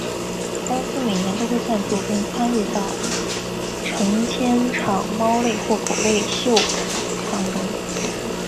公司每年都会赞助并参与到成千场猫类或狗类秀当中。